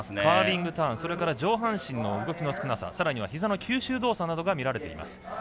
カービングターンそれから上半身の動きの少なささらにはひざの吸収動作などが見られています。